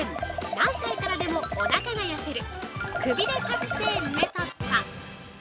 何歳からでも、おなかが痩せるくびれ覚醒メソッド。